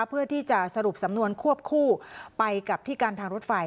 เพื่อที่จะสรุปสำนวนควบคู่ไปกับที่การทางรถไฟ